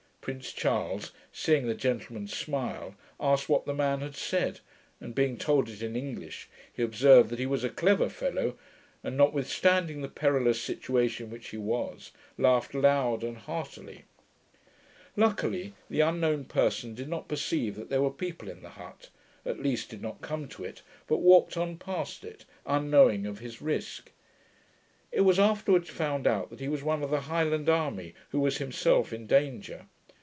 Prince Charles, seeing the gentlemen smile, asked what the man had said, and being told it in English, he observed that he was a clever fellow, and, notwithstanding the perilous situation in which he was, laughed loud and heartily. Luckily the unknown person did not perceive that there were people in the hut, at least did not come to it, but walked on past it, unknowing of his risk. It was afterwards found out that he was one of the Highland army, who was himself in danger.